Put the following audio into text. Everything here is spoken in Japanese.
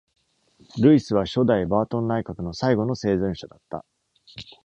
ルイスは初代バートン内閣の最後の生存者だった。